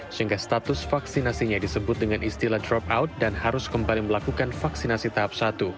sehingga status vaksinasinya disebut dengan istilah drop out dan harus kembali melakukan vaksinasi tahap satu